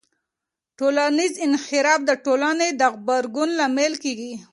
ټولنیز انحراف د ټولنې د غبرګون لامل کېږي.